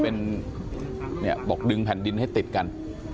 เป็นบอกดึงแผ่นดินให้ติดกัน